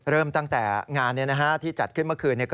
เริ่มตั้งแต่งานที่จัดขึ้นเมื่อคืน